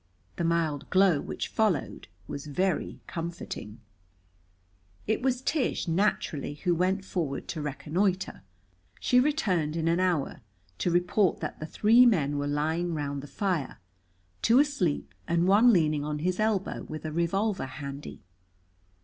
The mild glow which followed was very comforting. It was Tish, naturally, who went forward to reconnoiter. She returned in an hour, to report that the three men were lying round the fire, two asleep and one leaning on his elbow with a revolver handy.